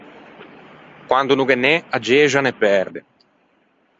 Quando no ghe n’é, a gexa a ne perde.